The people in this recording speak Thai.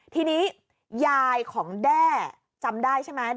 ทีนี้ยายของแด้จำได้ใช่ไหม